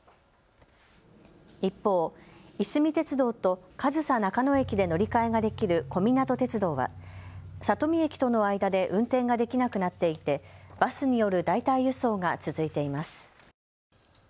一方、いすみ鉄道と上総中野駅で乗り換えができる小湊鐵道は里見駅との間で運転ができなくなっていてバスによる代替輸送が続いています。